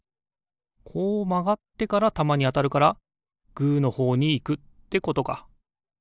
こうまがってからたまにあたるからグーのほうにいくってことか。